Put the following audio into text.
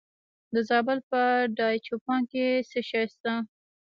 د زابل په دایچوپان کې څه شی شته؟